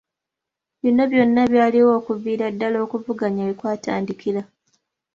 Bino byonna byaliwo okuviira ddala okuvuganya we kwatandikira.